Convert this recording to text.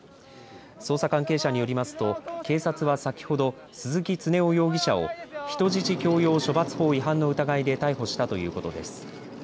捜査関係者によりますと警察は先ほど鈴木常雄容疑者を人質強要処罰法違反の疑いで逮捕したということです。